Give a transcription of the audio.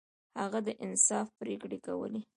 هغه د انصاف پریکړې کولې.